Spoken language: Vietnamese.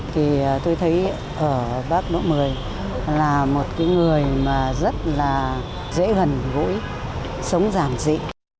thì tôi thấy ở bác đỗ một mươi là một cái người mà rất là dễ gần gũi sống giản dị